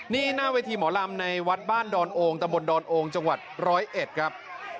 นี่หน้าเวทีหมอลำในวัดบ้านดอนโองตะบนดอนโองจังหวัดร้อยเอ็ดครับ